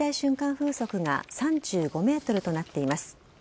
風速が３５メートルとなっています。